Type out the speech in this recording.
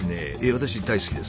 私大好きです。